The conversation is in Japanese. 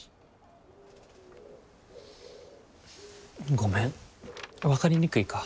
ごめん分かりにくいか。